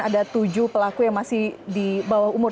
ada tujuh pelaku yang masih di bawah umur